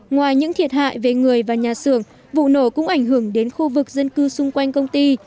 ngoài những thiệt hại về người và nhà xưởng vụ nổ cũng ảnh hưởng đến khu vực dân cư xung quanh công ty